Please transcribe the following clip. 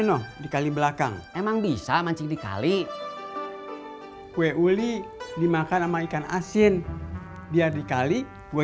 noh dikali belakang emang bisa mancing dikali kue uli dimakan sama ikan asin dia dikali gue